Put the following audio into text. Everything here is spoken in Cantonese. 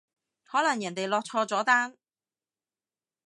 可能人哋落錯咗單